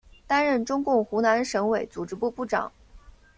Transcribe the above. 担任中共湖南省委组织部部长。